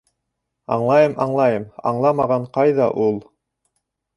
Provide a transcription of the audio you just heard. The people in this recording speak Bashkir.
Аңлайым-аңлайым, аңламаған ҡайҙа ул!